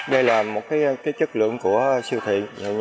đây là một cái chất lượng của siêu thị